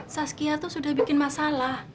saskia itu sudah bikin masalah